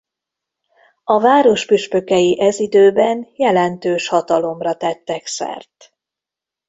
A város püspökei ez időben jelentős hatalomra tettek szert.